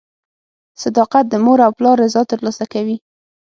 • صداقت د مور او پلار رضا ترلاسه کوي.